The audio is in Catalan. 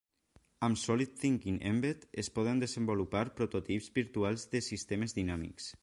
Amb solidThinking Embed, es poden desenvolupar prototips virtuals de sistemes dinàmics.